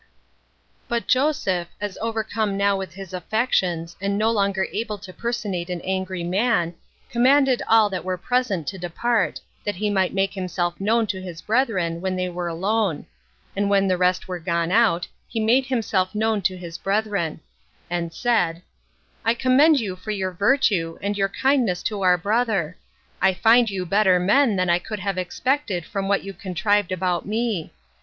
10. But Joseph, as overcome now with his affections, and no longer able to personate an angry man, commanded all that were present to depart, that he might make himself known to his brethren when they were alone; and when the rest were gone out, he made himself known to his brethren; and said, "I commend you for your virtue, and your kindness to our brother: I find you better men than I could have expected from what you contrived about me.